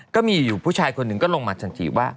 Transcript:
ก็มีอยู่ผู้ชายคนหนึ่งก็ลงมาทันทีว่า